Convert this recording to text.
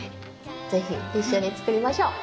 是非一緒に作りましょう。